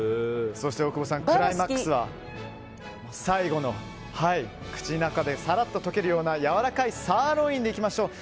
そして、大久保さんクライマックスは最後の口の中でさらっと溶けるようなやわらかいサーロインでいきましょう。